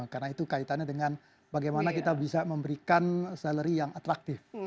karena itu kaitannya dengan bagaimana kita bisa memberikan salary yang atraktif